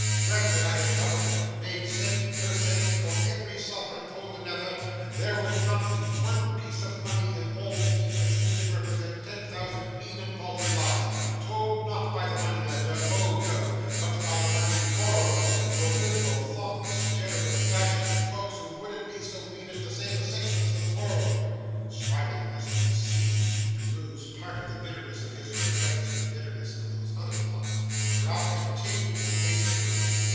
Grant that I had doubled it made cent. per cent. for every sovereign told another there would not be one piece of money in all the heap which wouldn't represent ten thousand mean and paltry lies, told, not by the money lender, oh no! but by the money borrowers, your liberal, thoughtless, generous, dashing folks, who wouldn't be so mean as save a sixpence for the world!' Striving, as it would seem, to lose part of the bitterness of his regrets in the bitterness of these other thoughts, Ralph continued to pace the room.